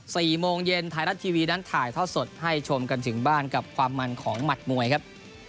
สี่โมงเย็นไทยรัฐทีวีนั้นถ่ายทอดสดให้ชมกันถึงบ้านกับความมันของหมัดมวยครับ